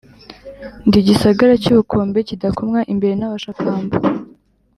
ndi igisagara cy'ubukombe kidakomwa imbere n'abashakamba.